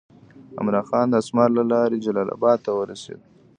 عمرا خان د اسمار له لارې جلال آباد ته ورسېد.